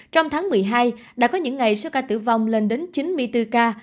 trong tháng một mươi hai đã có những ngày số ca tử vong lên đến chín mươi bốn ca